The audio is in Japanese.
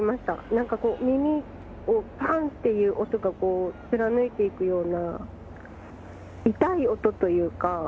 なんか耳をがんっていう音が貫いていくような、痛い音というか。